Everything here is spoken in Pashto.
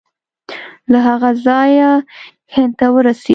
له هغه ځایه هند ته ورسېد.